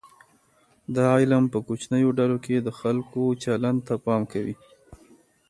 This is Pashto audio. دا علم په کوچنیو ډلو کې د خلګو چلند ته پام کوي.